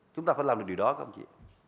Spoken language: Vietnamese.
chúng ta phải làm được điều đó không chị